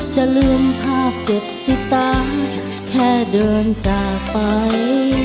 จะลืมภาพเจ็บติดตามแค่เดินจากไป